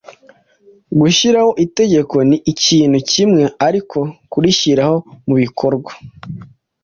Gushyiraho itegeko ni ikintu kimwe, ariko kurishyira mu bikorwa